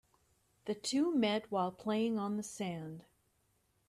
The two met while playing on the sand.